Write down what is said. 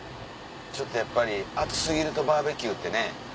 ちょっとやっぱり暑過ぎるとバーベキューってね。